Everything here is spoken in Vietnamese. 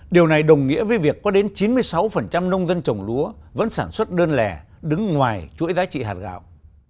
điều này đồng nghĩa với việc có đến chín mươi sáu nông dân trồng lúa vẫn sản xuất đơn lẻ đứng ngoài chuỗi giá trị hạt gạo